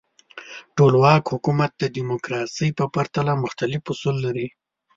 ټولواک حکومت د دموکراسۍ په پرتله مختلف اصول لري.